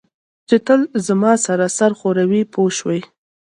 چې تل زما سره سر ښوروي پوه شوې!.